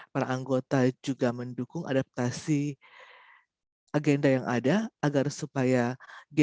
para anggota juga mendukung adaptasi agenda yang ada agar supaya g dua puluh dapat mencapai